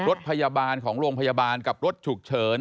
รถพยาบาลของโรงพยาบาลกับรถฉุกเฉิน